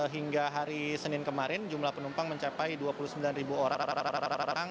hingga hari senin kemarin jumlah penumpang mencapai dua puluh sembilan orang